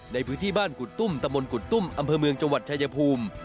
ในพื้นที่บ้านกุดตุ้มตะมนตกุดตุ้มอำเภอเมืองจังหวัดชายภูมิ